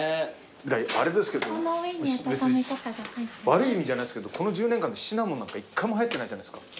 悪い意味じゃないですけどこの１０年間でシナモンなんか１回もはやってないじゃないですか。